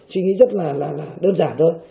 suy nghĩ rất là đơn giản thôi